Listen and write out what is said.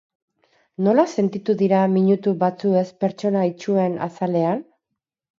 Nola sentitu dira minutu batzuez pertsona itsuen azalean?